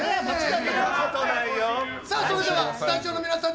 それではスタジオの皆さん